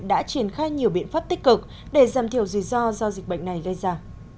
đã triển khai nhiều biện pháp tích cực để giảm thiểu dùi do do dịch bệnh này gây ra